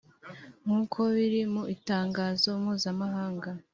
nk’uko biri mu itangazo mpuzamahanga